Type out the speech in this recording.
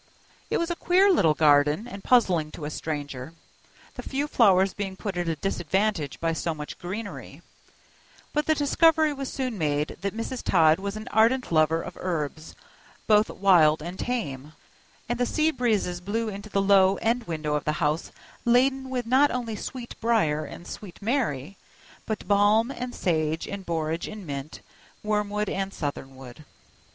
It was a queer little garden and puzzling to a stranger, the few flowers being put at a disadvantage by so much greenery; but the discovery was soon made that Mrs. Todd was an ardent lover of herbs, both wild and tame, and the sea breezes blew into the low end window of the house laden with not only sweet brier and sweet mary, but balm and sage and borage and mint, wormwood and southernwood.